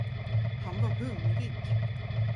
Han var hungrig.